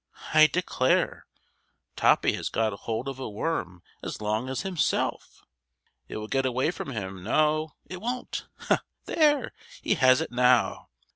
I declare, Toppy has got hold of a worm as long as himself. It will get away from him—no, it won't! There! he has it now!